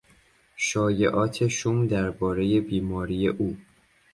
شایعات شوم دربارهی بیماری او